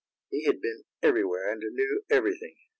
He had been everywhere, and knew everything.